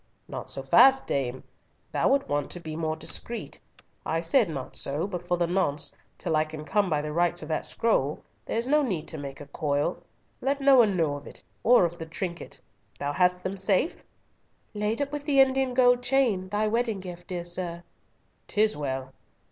"Not so fast, dame. Thou wert wont to be more discreet. I said not so, but for the nonce, till I can come by the rights of that scroll, there's no need to make a coil. Let no one know of it, or of the trinket—Thou hast them safe?" "Laid up with the Indian gold chain, thy wedding gift, dear sir." "'Tis well.